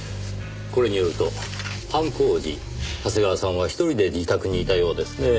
これによると犯行時長谷川さんは一人で自宅にいたようですねぇ。